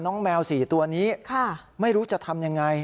แมว๔ตัวนี้ไม่รู้จะทำยังไง